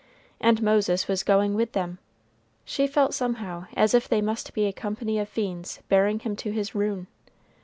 And Moses was going with them! She felt somehow as if they must be a company of fiends bearing him to his ruin.